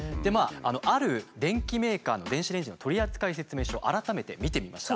ある電機メーカーの電子レンジの取扱説明書改めて見てみました。